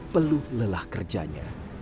peluh lelah kerjanya